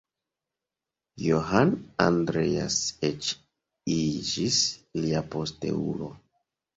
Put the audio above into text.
Johann Andreas eĉ iĝis lia posteulo.